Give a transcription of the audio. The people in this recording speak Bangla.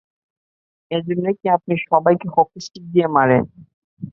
এই জন্যই কি আপনি সবাইকে হকি স্টিক দিয়ে মারেন?